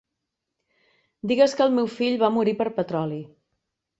Digues que el meu fill va morir per petroli.